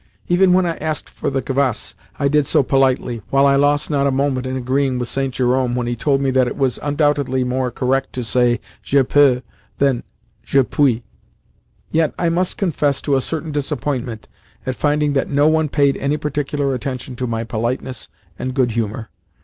Even when I asked for the kvas I did so politely, while I lost not a moment in agreeing with St. Jerome when he told me that it was undoubtedly more correct to say "Je peux" than "Je puis." Yet, I must confess to a certain disappointment at finding that no one paid any particular attention to my politeness and good humour.